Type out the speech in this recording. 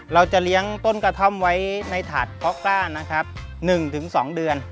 เราจะเลี้ยงต้นกระท่อมไว้ในถาดเพาะกล้านะครับ๑๒เดือน